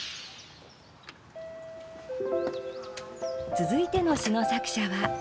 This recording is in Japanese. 続いての詩の作者は。